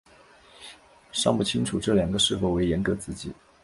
尚不清楚这两个是否为严格子集。